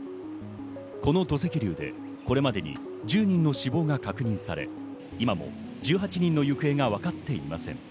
この土石流でこれまでに１０人の死亡が確認され、今も１８人の行方がわかっていません。